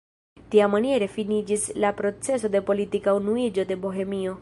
Tiamaniere finiĝis la proceso de politika unuiĝo de Bohemio.